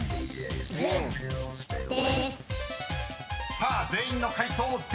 ［さあ全員の解答デス］